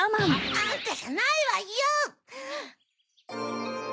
あんたじゃないわよっ！